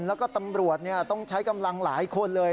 แล้วก็ตำรวจต้องใช้กำลังหลายคนเลย